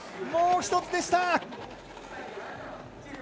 もう１つでした。